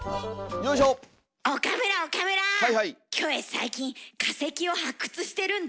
最近化石を発掘してるんだ。